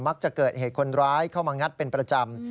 จะเกิดเหตุคนร้ายเข้ามางัดเป็นประจำ